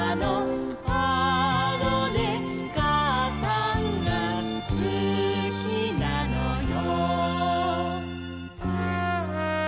「あのねかあさんがすきなのよ」